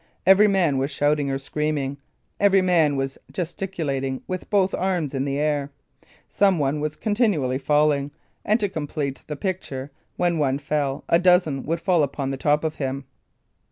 Every man was shouting or screaming; every man was gesticulating with both arms in air; some one was continually falling; and to complete the picture, when one fell, a dozen would fall upon the top of him.